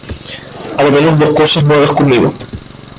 A lo menos dos cosas no hagas conmigo;